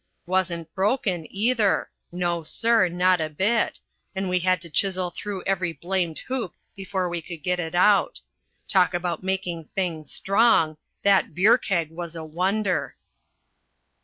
Wasn't broken, either; no, sir, not a bit; and we had to chisel through every blamed hoop before we could get it out. Talk about making things strong that beer keg was a wonder!"